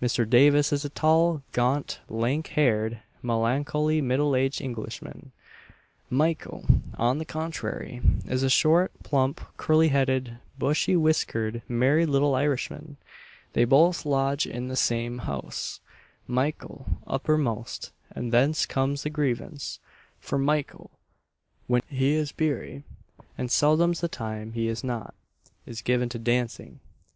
Mr. Davis is a tall, gaunt, lank haired, melancholy, middle aged Englishman. Mykle, on the contrary, is a short, plump, curly headed, bushy whiskered, merry little Irishman. They both lodge in the same house Mykle uppermost, and thence comes the grievance; for Mykle, when he is beery and seldom's the time he is not is given to dancing. Mr.